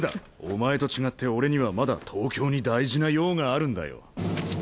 お前と違って俺にはまだ東京に大事な用があるんだよ。